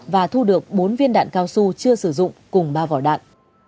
và thu được bốn viên đạn cao su chưa sử dụng cùng ba vỏ đạn